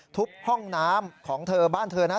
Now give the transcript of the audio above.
ทุบห้องน้ำของเธอบ้านเธอนะ